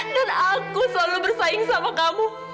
dan aku selalu bersaing sama kamu